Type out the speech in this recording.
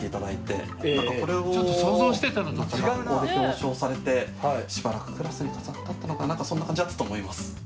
これを学校で表彰されてしばらくクラスに飾ってあったのかなんかそんな感じだったと思います。